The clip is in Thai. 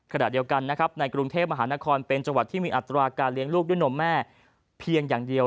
ขณะเดียวกันนะครับในกรุงเทพมหานครเป็นจังหวัดที่มีอัตราการเลี้ยงลูกด้วยนมแม่เพียงอย่างเดียว